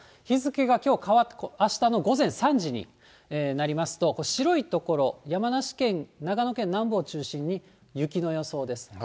日付があしたの午前３時になりますと、白い所、山梨県、長野県南部を中心に雪の予想です。